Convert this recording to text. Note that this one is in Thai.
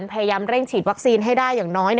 พยายามเร่งฉีดวัคซีนให้ได้อย่างน้อย